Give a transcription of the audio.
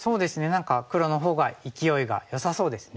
何か黒のほうが勢いがよさそうですね。